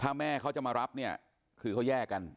ถ้าแม่เขาจะมารับเนี่ยคือเขาแยกกัน